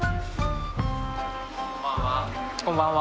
こんばんは。